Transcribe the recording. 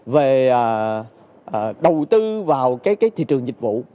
về đầu tư vào cái thị trường dịch vụ